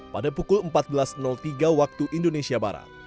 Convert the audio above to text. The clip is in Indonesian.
pada pukul empat belas tiga waktu indonesia barat